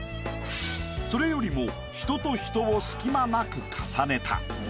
それよりも人と人を隙間なく重ねた。